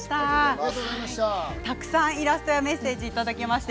たくさんのイラストやメッセージいただきました。